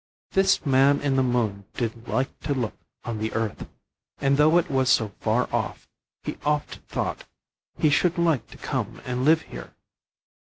This man in the moon did like to look on the earth, and though it was so far off, he oft thought he should like to come and live here.